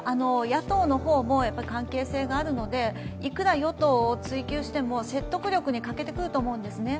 野党の方も、関係性があるのでいくら与党を追及しても説得力に欠けてくると思うんですね。